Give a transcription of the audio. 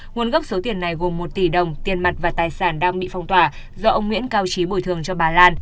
nguồn gốc số tiền này gồm một tỷ đồng tiền mặt và tài sản đang bị phong tỏa do ông nguyễn cao trí bồi thường cho bà lan